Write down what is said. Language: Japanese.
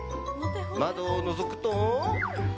窓をのぞくと。